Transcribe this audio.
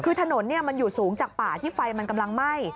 คือถนนมันอยู่สูงจากป่าที่ไฟมันกำลังไหม้